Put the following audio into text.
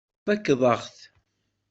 Tfakkeḍ-aɣ-t.